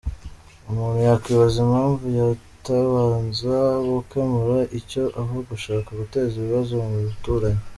Umuntu yakwibaza impamvu batabanza gukemura icyo aho gushaka guteza ibibazo mu baturanyi!